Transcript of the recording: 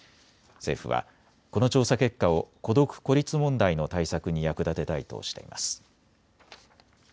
政府は、この調査結果を孤独・孤立問題の対策に役立てたいとしています。